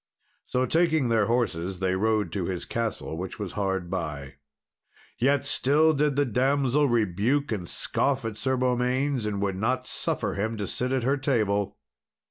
So, taking their horses, they rode to his castle, which was hard by. Yet still did the damsel rebuke and scoff at Sir Beaumains, and would not suffer him to sit at her table.